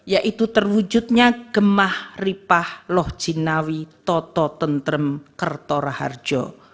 yaitu terwujudnya gemah ripah loh jinawi toto tentrem kertora harjo